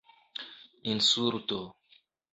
insulto